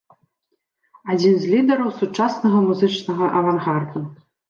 Адзін з лідараў сучаснага музычнага авангарду.